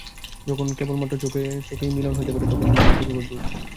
যখন কেবল মাত্র চোখে চোখেই মিলন হইতে পারে তখন মধ্যে কত দূর!